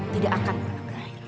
tidak akan pernah berakhir